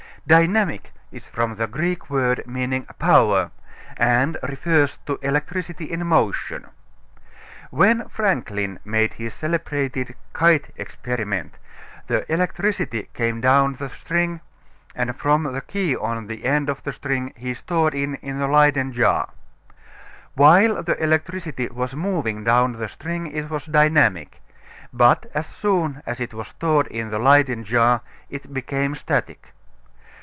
Dynamic is from the Greek word meaning power, and refers to electricity in motion. When Franklin made his celebrated kite experiment, the electricity came down the string, and from the key on the end of the string he stored it in a Leyden jar. While the electricity was moving down the string it was dynamic, but as soon as it was stored in the Leyden jar it became static.